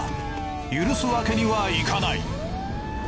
許すわけにはいかない。